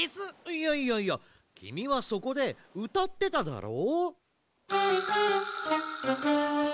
いやいやいやきみはそこでうたってただろう？